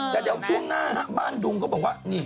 แล้วยังช่วงหน้าบ้านดุงก็บอกว่า